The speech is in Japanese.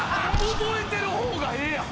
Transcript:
覚えてる方がええやん。